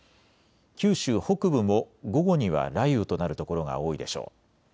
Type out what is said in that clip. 九州北部も午後には雷雨となる所が多いでしょう。